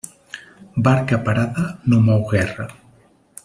Barca parada no mou guerra.